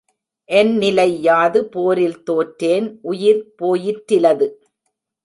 என் நிலை யாது போரில் தோற்றேன் உயிர் போயிற்றிலது.